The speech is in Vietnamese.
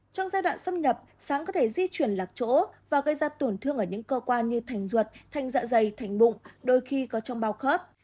trong giai đoạn xâm nhập sáng có thể di chuyển lạc chỗ và gây ra tổn thương ở những cơ quan như thành ruột thành dạ dày thành bụng đôi khi có trong bao khớp